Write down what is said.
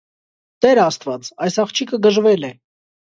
Տե՛ր աստված, այս աղջիկը գժվել է…